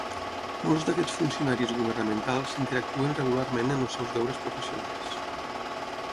Molts d'aquests funcionaris governamentals interactuen regularment en els seus deures professionals.